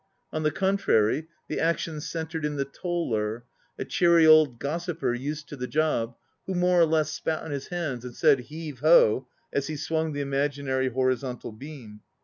On the contrary, the action centred in the toller, a cheery old gossiper used to the job, who more or less spat on his hands and said Heave ho as he swung the imaginary horizontal beam.